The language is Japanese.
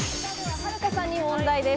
はるかさんに問題です。